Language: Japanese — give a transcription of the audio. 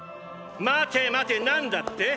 待て待て何だって？